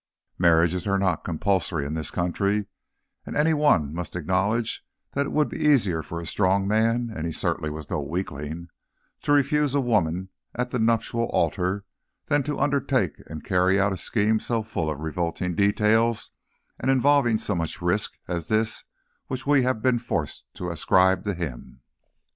Marriages are not compulsory in this country, and any one must acknowledge that it would be easier for a strong man and he certainly was no weakling to refuse a woman at the nuptial altar than to undertake and carry out a scheme so full of revolting details and involving so much risk as this which we have been forced to ascribe to him.